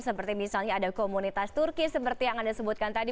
seperti misalnya ada komunitas turki seperti yang anda sebutkan tadi